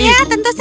iya tentu saja